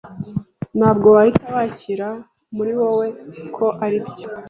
ntabwo wahita wakira muri wowe ko aribyo